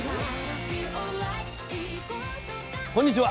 こんにちは。